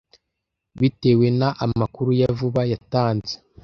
Bitewe na amakuru ya vuba yatanze